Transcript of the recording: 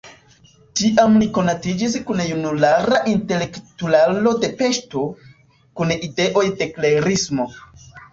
Tiam li konatiĝis kun junulara intelektularo de Peŝto, kun ideoj de la klerismo.